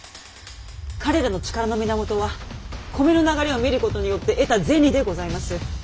彼らの力の源は米の流れを見ることによって得た銭でございます。